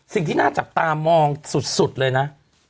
สิ่งที่น่าจับตามองสุดเลยนะ